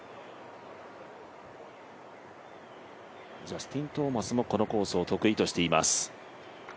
ジャスティン・トーマスもこのコースを得意としています。